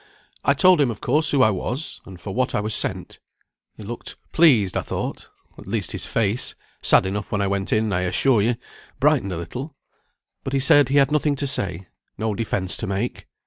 I told him of course who I was, and for what I was sent. He looked pleased, I thought, at least his face (sad enough when I went in, I assure ye) brightened a little; but he said he had nothing to say, no defence to make.